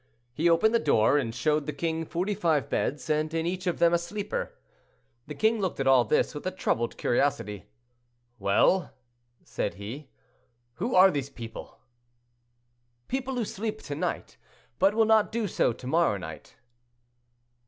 He opened the door, and showed the king forty five beds, and in each of them a sleeper. The king looked at all this with a troubled curiosity. "Well," said he, "who are these people?" "People who sleep to night, but will not do so to morrow night."